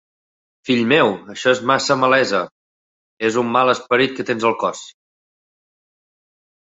Fill meu! Això és massa malesa; és un mal esperit que tens al cos.